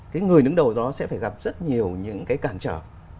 cái người đứng đầu đó sẽ phải gặp rất nhiều những cái cản trở